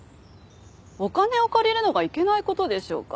お金を借りるのがいけない事でしょうか。